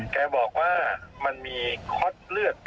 แกบอกว่ามันมีค็อตเลือด